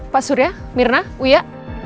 pak surya mirna uya